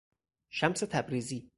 شمس تبریزی